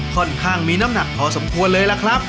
ค่อนข้างมีน้ำหนักพอสมควรเลยล่ะครับ